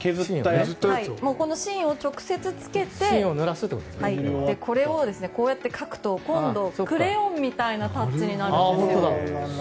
この芯を直接つけてこれをこうやって描くと今度クレヨンみたいなタッチになるんです。